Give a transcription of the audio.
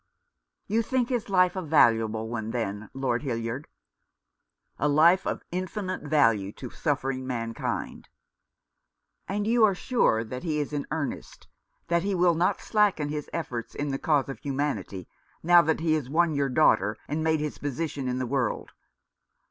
"You think his life a valuable one, then, Lord Hildyard ?" "A life of infinite value to suffering mankind." "And you are sure that he is in earnest, that he will not slacken his efforts in the cause of humanity, now that he has won your daughter and made his position in the world